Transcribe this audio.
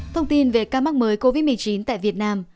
thông tin về ca mắc mới covid một mươi chín tại việt nam